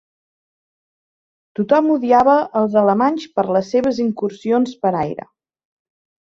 Tothom odiava els alemanys per les seves incursions per aire.